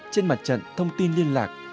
trên mặt trận thông tin liên lạc